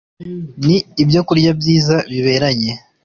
ni ibyokurya byiza biberanye